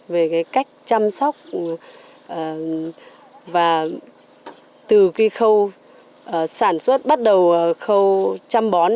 về cách chăm sóc và từ khi khâu sản xuất bắt đầu khâu chăm bón